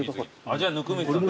じゃあ温水さんだ。